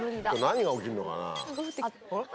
何が起きるのかな？